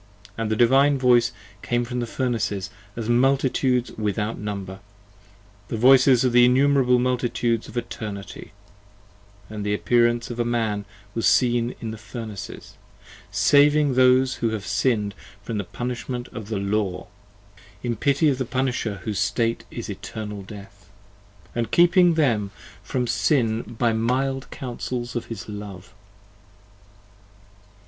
And the Divine voice came from the Furnaces, as multitudes without Number! the voices of the innumerable multitudes of Eternity: And the appearance of a Man was seen in the Furnaces, Saving those who have sinned from the punishment of the Law, (In pity of the punisher whose state is eternal death,) And keeping them from Sin by the mild counsels of his love.